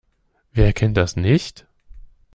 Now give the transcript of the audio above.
Wer kennt das nicht?